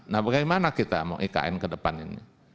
nah bagaimana kita mau ikn ke depan ini